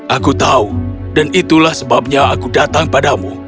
aku tahu dan itulah sebabnya aku datang padamu